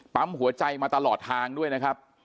หัวใจมาตลอดทางด้วยนะครับ